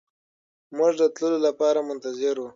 موږ د تللو لپاره منتظر وو.